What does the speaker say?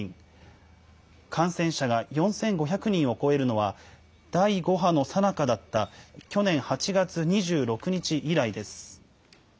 感染者が４５００人を超えるのは、第５波のさなかだった去年８月２６日以来です。